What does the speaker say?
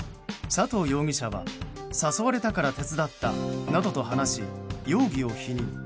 佐藤容疑者は誘われたから手伝ったなどと話し容疑を否認。